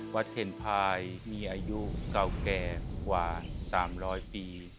เทนพายมีอายุเก่าแก่กว่า๓๐๐ปี